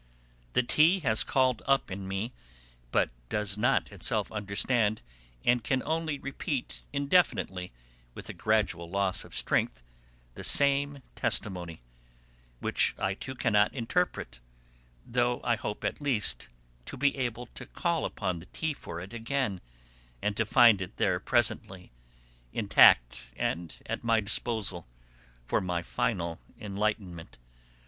The tea has called up in me, but does not itself understand, and can only repeat indefinitely with a gradual loss of strength, the same testimony; which I, too, cannot interpret, though I hope at least to be able to call upon the tea for it again and to find it there presently, intact and at my disposal, for my final enlightenment.